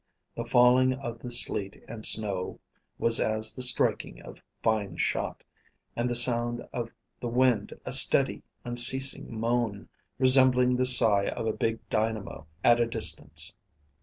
The falling of the sleet and snow was as the striking of fine shot, and the sound of the wind a steady unceasing moan, resembling the sigh of a big dynamo at a distance.